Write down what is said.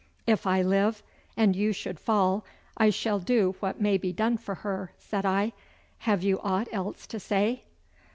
'If I live and you should fall, I shall do what may be done for her,' said I. 'Have you aught else to say?